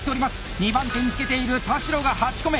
２番手につけている田代が８個目！